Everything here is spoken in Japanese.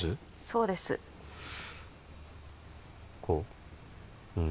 そうですこう？